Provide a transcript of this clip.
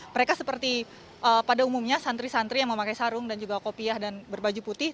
mereka seperti pada umumnya santri santri yang memakai sarung dan juga kopiah dan berbaju putih